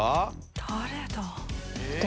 誰だ？